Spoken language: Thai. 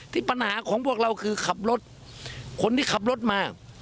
ปัญหาของพวกเราคือขับรถคนที่ขับรถมา